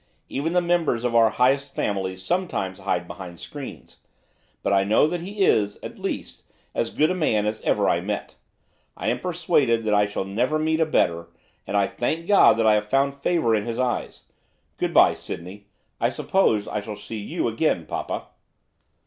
Even the members of our highest families sometimes hide behind screens. But I know that he is, at least, as good a man as I ever met, I am persuaded that I shall never meet a better; and I thank God that I have found favour in his eyes. Good bye, Sydney. I suppose I shall see you again, papa.